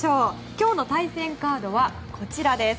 今日の対戦カードはこちらです。